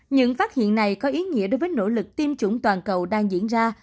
những phát hiện này có ý nghĩa đối với nỗ lực tiêm chủng toàn cầu đang diễn ra